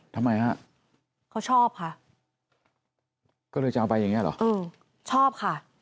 ทำไมฮะเขาชอบค่ะก็เลยจะเอาไปอย่างเงี้เหรอเออชอบค่ะ